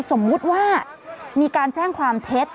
สมมุติว่ามีการแจ้งความเท็จ